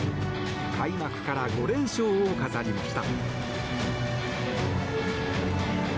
開幕から５連勝を飾りました。